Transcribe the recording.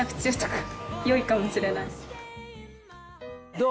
どう？